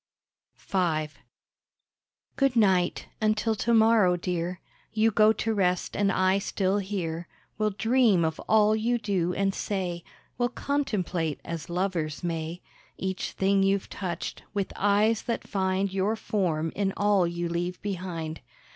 V Good night! until to morrow, dear; You go to rest, and I still here Will dream of all you do and say; Will contemplate, as lovers may, Each thing you've touched, with eyes that find Your form in all you leave behind.